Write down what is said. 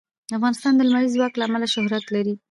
افغانستان د لمریز ځواک له امله شهرت لري.